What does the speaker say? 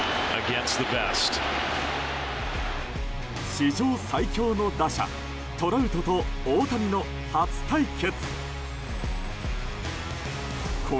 史上最強の打者トラウトと大谷の初対決。